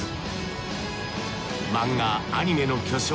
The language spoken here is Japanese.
漫画アニメの巨匠